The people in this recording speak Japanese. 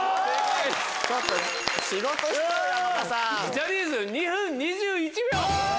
ジャニーズ２分２１秒！